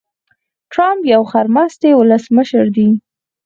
ټرمپ يو خرمستی ولسمشر دي.